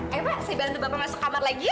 ayo pak saya bantu bapak masuk kamar lagi ya